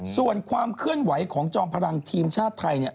ส่วนความเคลื่อนไหวของจอมพลังทีมชาติไทยเนี่ย